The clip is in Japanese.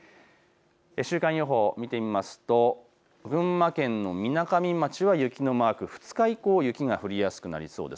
週間予報を見てみますと群馬県のみなかみ町は雪のマーク、２日以降、雪が降りやすくなりそうです。